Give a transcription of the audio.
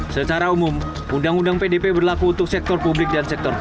secara umum undang undang pdp berlaku untuk sektor publik dan sektor